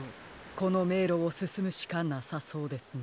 このめいろをすすむしかなさそうですね。